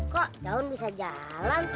kok daun bisa jalan